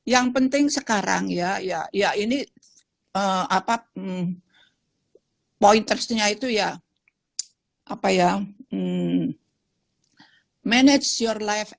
yang penting sekarang ya ya ya ini apa poin tersenyai itu ya apa ya manage your life